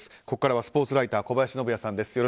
ここからはスポーツライター小林信也さんです。